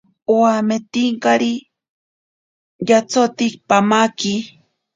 Owametinkari yatsoti pamaki.